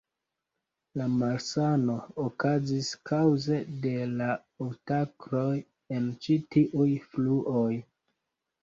La malsano okazis kaŭze de la obstakloj en ĉi tiuj fluoj.